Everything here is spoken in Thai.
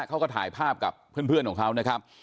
เขาก็ถ่ายภาพกับเพื่อนของเขานะครับ